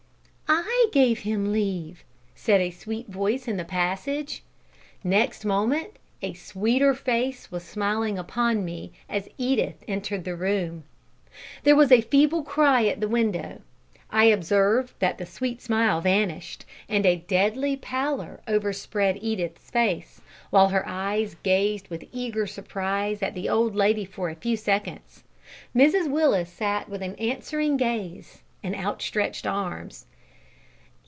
"I gave him leave," said a sweet voice in the passage. Next moment a sweeter face was smiling upon me, as Edith entered the room. There was a feeble cry at the window. I observed that the sweet smile vanished, and a deadly pallor overspread Edith's face, while her eyes gazed with eager surprise at the old lady for a few seconds. Mrs Willis sat with answering gaze and outstretched arms.